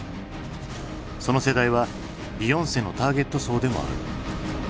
その世代はビヨンセのターゲット層でもある。